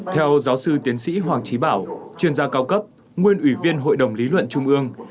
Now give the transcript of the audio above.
theo giáo sư tiến sĩ hoàng trí bảo chuyên gia cao cấp nguyên ủy viên hội đồng lý luận trung ương